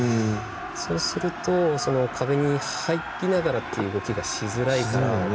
そうすると壁に入りながらという動きがしづらいから。